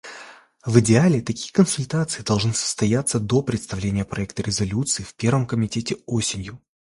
В идеале, такие консультации должны состояться до представления проекта резолюции в Первом комитете осенью.